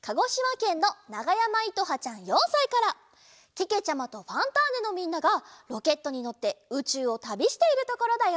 けけちゃまと「ファンターネ！」のみんながロケットにのってうちゅうをたびしているところだよ。